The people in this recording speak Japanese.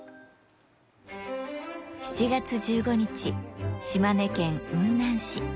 ７月１５日、島根県雲南市。